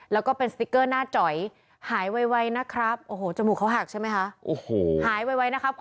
แล้วก็เป็นสติ๊กเกอร์หน้าจอยหายไวนะครับโอ้โหจมูกเขาหักใช่ไหมคะโอ้โหหายไวนะครับ